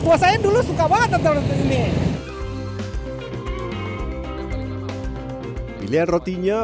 tua saya dulu suka banget atau ini pilihan rotinya